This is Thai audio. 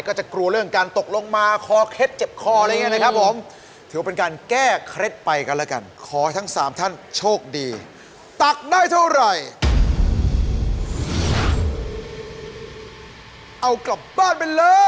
ก็จะกลัวเรื่องการตกลงมาคอเคล็ดเจ็บคออะไรอย่างนี้นะครับผม